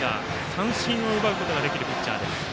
三振を奪うことができるピッチャーです。